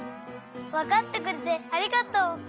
わかってくれてありがとう！